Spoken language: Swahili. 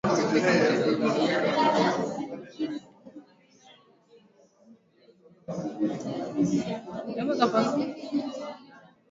Kuna tofauti kati ya muziki aliofanya Saleh Jabir na aliofanya Sugu